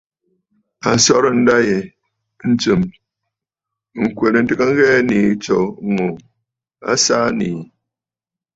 A sɔrə̀ ǹdâ yì ntsɨ̀m ŋ̀kwerə ntɨgə ŋghɛɛ nii tso ŋù a saa nii.